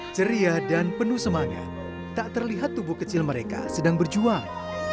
ceria dan penuh semangat tak terlihat tubuh kecil mereka sedang berjuang